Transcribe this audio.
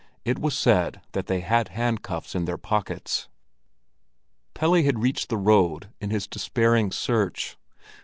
It was said that they had handcuffs in their pockets. Pelle had reached the road in his despairing search.